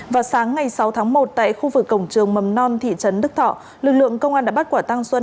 vào sáng ngày sáu tháng một tại khu vực cổng trường mầm non thị trấn đức thọ lực lượng công an đã bắt quả tăng xuân